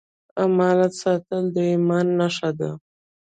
امانت ساتل د ایمان نښه ده.